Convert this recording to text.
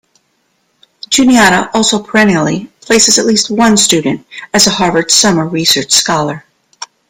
Juniata also perennially places at least one student as a Harvard Summer Research Scholar.